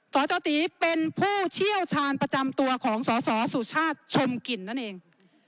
สจตีเป็นผู้เชี่ยวชาญประจำตัวของสสสุชาติชมกลิ่นนั่นเอง